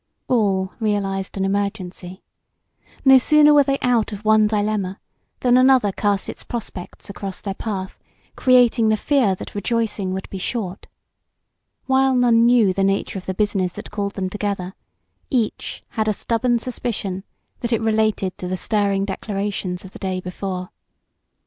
All realized an emergency. No sooner were they out of one dilemma than another cast its prospects across their path, creating the fear that rejoicing would be short. While none knew the nature of the business that called them together, each had a stubborn suspicion that it related to the stirring declarations of the day before.